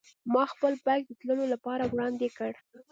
ما خپل بېک د تللو لپاره وړاندې کړ.